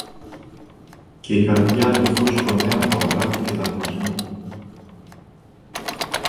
και η καρδιά του φούσκωνε από αγάπη και θαυμασμό